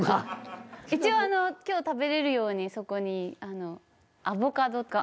一応今日食べれるようにそこにあのアボカドが。